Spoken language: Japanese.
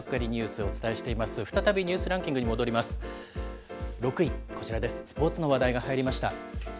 スポーツの話題が入りました。